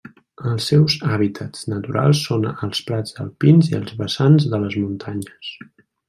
Els seus hàbitats naturals són els prats alpins i els vessants de les muntanyes.